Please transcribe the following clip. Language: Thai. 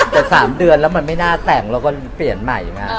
แต่๓เดือนแล้วมันไม่น่าแต่งเราก็เปลี่ยนใหม่มา